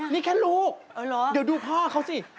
นี่แค่ลูกเดี๋ยวดูพ่อเขาสิ